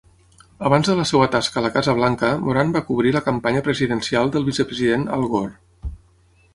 Abans de la seva tasca a la Casa Blanca, Moran va cobrir la campanya presidencial del vicepresident Al Gore.